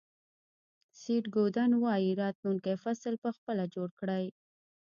سیټ گودن وایي راتلونکی فصل په خپله جوړ کړئ.